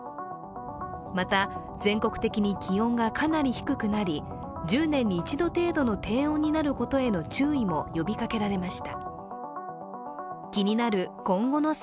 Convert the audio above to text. また、全国的に気温がかなり低くなり、１０年に一度程度の低温になることへの注意も呼びかけられました。